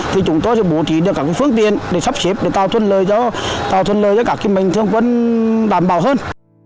thì chúng tôi sẽ bổ trí được các phương tiện để sắp xếp để tạo thuận lợi cho các mạnh thường quân đảm bảo hơn